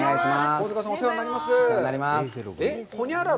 黄塚さん、お世話になります。